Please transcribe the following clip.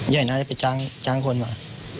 ใหญ่นะจะไปจ้างคนมา